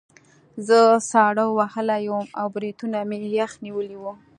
زه ساړه وهلی وم او بریتونه مې یخ نیولي وو